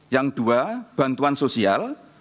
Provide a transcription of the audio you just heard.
yang dua bantuan sosial